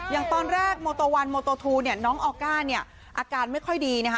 อย่างตอนแรกโมโตวันโมโตทูเนี่ยน้องออก้าเนี่ยอาการไม่ค่อยดีนะคะ